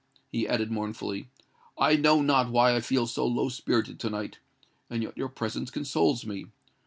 he added mournfully. "I know not why I feel so low spirited to night; and yet your presence consoles me!